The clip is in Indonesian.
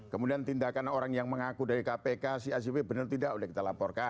kemudian tindakan orang yang mengaku dari kpk si acw benar tidak kita laporkan